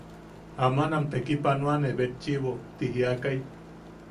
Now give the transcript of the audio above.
–“Aman am tekipanoane betchiʼibo.” ti jiakai.